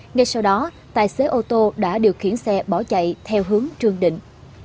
ngay sau đó tài xế ô tô đã điều khiển xe bỏ chạy theo hướng trương định